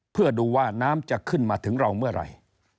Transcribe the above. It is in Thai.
เพื่อดูว่าน้ำจะขึ้นมาถึงเราเมื่อไหร่